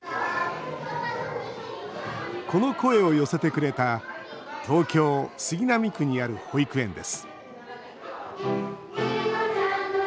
この声を寄せてくれた東京・杉並区にある保育園です